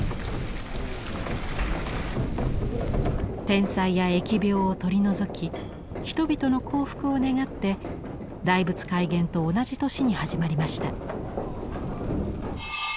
天災や疫病を取り除き人々の幸福を願って大仏開眼と同じ年に始まりました。